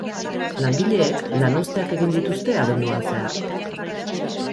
Langileek lanuzteak egin dituzte abenduan zehar.